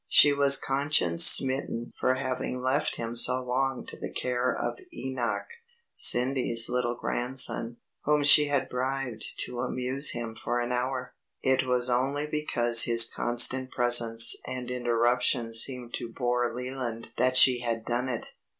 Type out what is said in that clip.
She was conscience smitten for having left him so long to the care of Enoch, Cindy's little grandson, whom she had bribed to amuse him for an hour. It was only because his constant presence and interruptions seemed to bore Leland that she had done it.